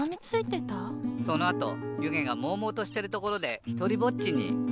そのあとゆげがもうもうとしてるところでひとりぼっちに。